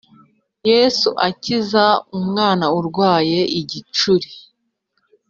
Yesu akiza umwana urwaye igicuri